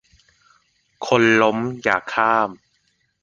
คนล้มอย่าข้าม